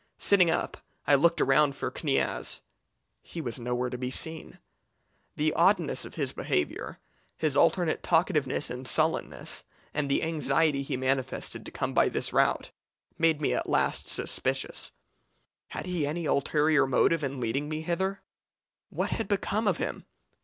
Sitting up, I looked around for Kniaz he was nowhere to be seen. The oddness of his behaviour, his alternate talkativeness and sullenness, and the anxiety he had manifested to come by this route, made me at last suspicious. Had he any ulterior motive in leading me hither? What had become of him?